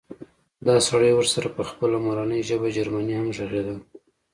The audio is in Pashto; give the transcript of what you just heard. دا سړی ورسره په خپله مورنۍ ژبه جرمني هم غږېده